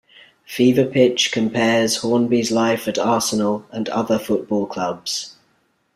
"Fever Pitch" compares Hornby's life at Arsenal and other football clubs.